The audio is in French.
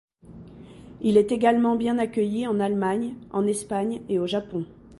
Il est également bien accueilli en Allemagne, en Espagne, et au Japon.